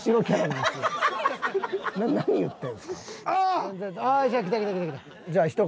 ああ！